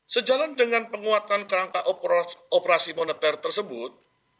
sejalan dengan penguatan kerangka operasi moneter tersebut